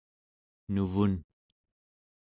nuvun